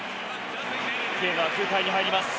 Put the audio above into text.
ゲームは９回に入ります。